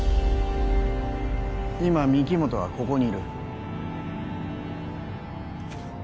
今御木本はここにいる